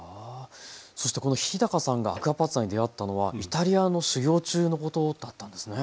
そしてこの日さんがアクアパッツァに出会ったのはイタリアの修業中のことだったんですね？